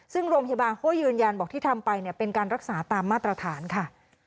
ซึ่งโรงพยาบาลเขาก็ยืนยันบอกที่ทำไปเป็นการรักษาตามมาตรฐานค่ะ